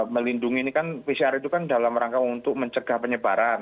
melindungi ini kan pcr itu kan dalam rangka untuk mencegah penyebaran